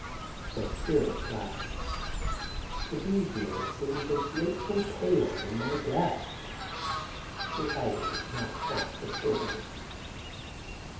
My spirits rise. To be here sings a grateful pæan in my breast. To write it is not half the story.